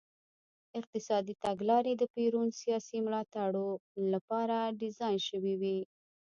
اقتصادي تګلارې د پېرون سیاسي ملاتړو لپاره ډیزاین شوې وې.